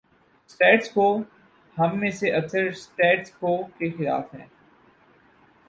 ’Status quo‘ ہم میں سے اکثر 'سٹیٹس کو‘ کے خلاف ہیں۔